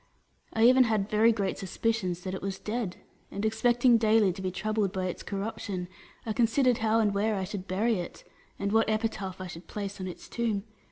I even had very great suspicions that it was dead, and expecting daily to be troubled by its corrup tion, I considered how and where I should bury it, and what epitaph I should place on its tomb.